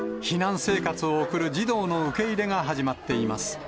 避難生活を送る児童の受け入れが始まっています。